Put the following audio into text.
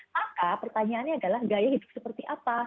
maka pertanyaannya adalah gaya hidup seperti apa